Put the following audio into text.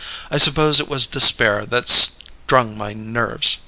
I suppose it was despair that strung my nerves.